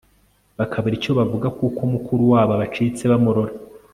bakabura icyo bavuga kuko mukuru wabo abacitse bamurora